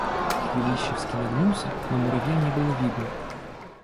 Хвилищевский нагнулся, но муравья не было видно.